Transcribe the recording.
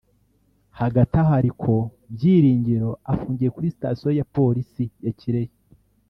Hagati aho ariko Byiringiro afungiye kuri station ya polisi ya Kirehe